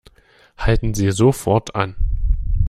Halten Sie sofort an!